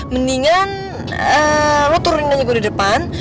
mendingan lo turunin aja gue di depan